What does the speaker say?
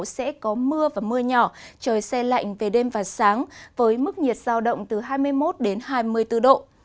sẽ có mưa và mưa nhỏ trời xe lạnh về đêm và sáng với mức nhiệt giao động từ hai mươi một đến hai mươi bốn độ